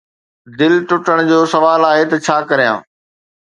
دل ٽٽڻ جو سوال آهي ته ”ڇا ڪريان؟